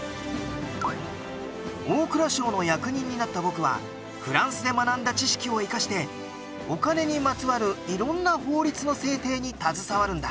大蔵省の役人になった僕はフランスで学んだ知識を生かしてお金にまつわる色んな法律の制定に携わるんだ。